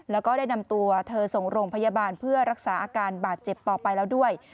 แล้วก็ได้นำตัวเธอส่งโรงพยาบาลเพื่อรักษาอาการบาดเจ็บต่อไปแล้วด้วย